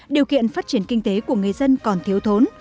điều kiện phát triển kinh tế của người dân còn thiếu thốn